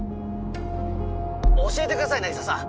教えてください凪沙さん！